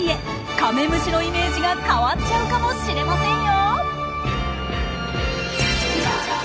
カメムシのイメージが変わっちゃうかもしれませんよ！